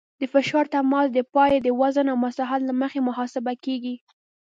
د فشار تماس د پایې د وزن او مساحت له مخې محاسبه کیږي